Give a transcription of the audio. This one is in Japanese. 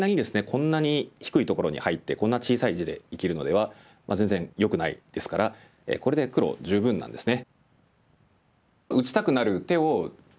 こんなに低いところに入ってこんな小さい地で生きるのでは全然よくないですからこれで黒十分なんですね。